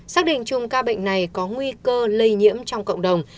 xác định chung ca bệnh này có nguy cơ lây nhiễm trong cộng đồng